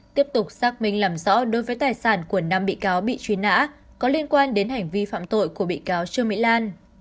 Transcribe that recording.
tiếp tục xác minh làm rõ đối với tài sản của năm bị cáo bị truy nã có liên quan đến hành vi phạm tội của bị cáo trương mỹ lan